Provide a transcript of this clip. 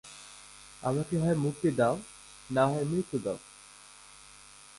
আমাকে হয় মুক্তি দাও না হয় মৃত্যু দাও।